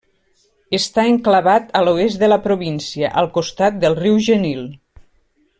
Està enclavat a l'oest de la província, al costat del riu Genil.